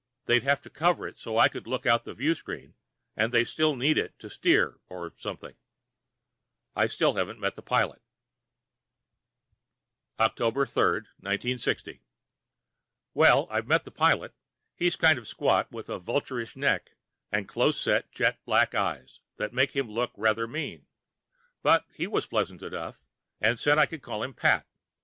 They'd have to cover it so I could look out the viewing screen, and they still need it for steering or something. I still haven't met the pilot. October 3, 1960 Well, I've met the pilot. He is kind of squat, with a vulturish neck and close set jet black eyes that make him look rather mean, but he was pleasant enough, and said I could call him Pat.